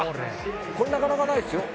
これなかなかないですよ。